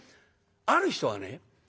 ある人はね。